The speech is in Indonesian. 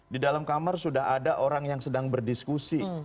di dalam kamar sudah ada orang yang sedang berdiskusi